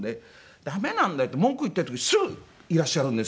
「ダメなんだよ」って文句言ってるとすぐいらっしゃるんですよ